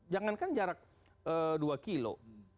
jangankan jarak dua kilo